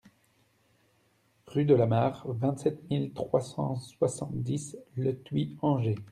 Rue Delamarre, vingt-sept mille trois cent soixante-dix Le Thuit-Anger